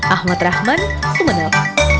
ahmad rahman sumeneb